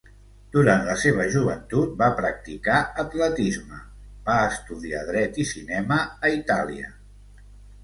Durant la seva joventut va practicar atletisme, va estudiar Dret i cinema a Itàlia.